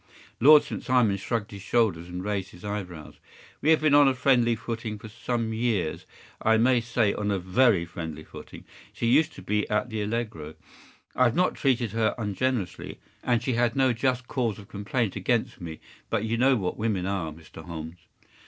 ” Lord St. Simon shrugged his shoulders and raised his eyebrows. “We have been on a friendly footing for some years—I may say on a very friendly footing. She used to be at the ‘Allegro.’ I have not treated her ungenerously, and she has no just cause of complaint against me; but you know what women are, Mr. Holmes.